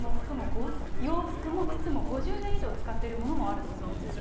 洋服も靴も５０年以上使っているものもあるそうなんです。